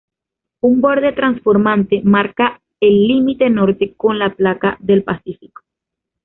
Un borde transformante marca el límite norte con la placa del Pacífico.